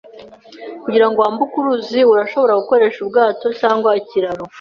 Kugira ngo wambuke uruzi, urashobora gukoresha ubwato cyangwa ikiraro.